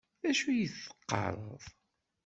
D acu i d-teqqaṛeḍ?